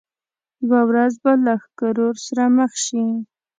یوه ورځ به له ښکرور سره مخ شي.